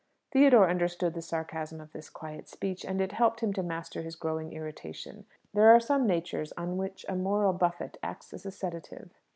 Theodore understood the sarcasm of this quiet speech, and it helped him to master his growing irritation. There are some natures on which a moral buffet acts as a sedative.